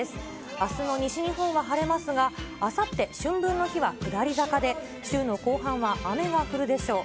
あすの西日本は晴れますが、あさって春分の日は下り坂で、週の後半は雨が降るでしょう。